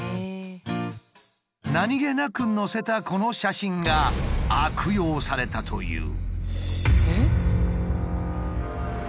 何気なく載せたこの写真が悪用されたという。